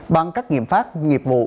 bằng các nghiệm pháp nghiệp vụ